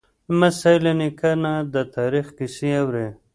لمسی له نیکه نه د تاریخ کیسې اوري.